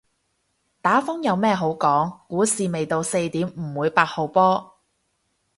打風有咩好講，股市未到四點唔會八號波